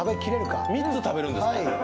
３つ食べるんですか？